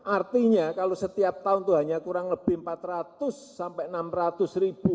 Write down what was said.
artinya kalau setiap tahun itu hanya kurang lebih empat ratus sampai enam ratus ribu